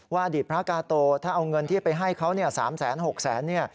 อดีตพระกาโตถ้าเอาเงินที่ไปให้เขา๓๖แสน